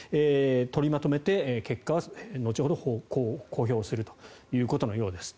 取りまとめて結果は後ほど公表するということのようです。